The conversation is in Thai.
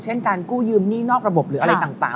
เช่นการกู้ยืมหนี้นอกระบบหรืออะไรต่าง